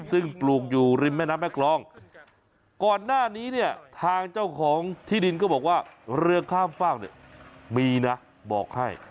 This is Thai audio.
ซึ่งปลูกอยู่ริมแม่น้ำแม่กรองก่อนหน้านี้เนี่ยทางเจ้าของที่ดินก็บอกว่าเรือข้ามฝากเนี่ยมีนะบอกให้